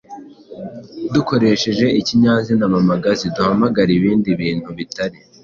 dukoresheje ikinyazina mpamagazi duhamagara ibindi bintu bitari